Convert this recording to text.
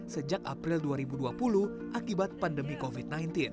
sejak april dua ribu dua puluh akibat pandemi covid sembilan belas